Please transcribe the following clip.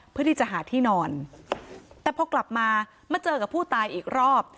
เพื่อที่จะหาที่นอนแต่พอกลับมามาเจอกับผู้ตายอีกรอบ